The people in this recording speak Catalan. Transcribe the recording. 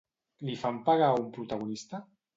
Li fan pagar a un protagonista?